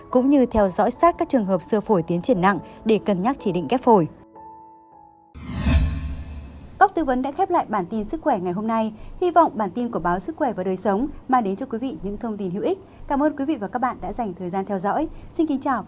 cũng như theo dõi sát các trường hợp sơ phổi tiến triển nặng để cân nhắc chỉ định ghép phổi